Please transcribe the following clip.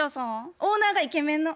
オーナーがイケメンの。